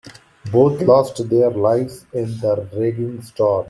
Both lost their lives in the raging storm.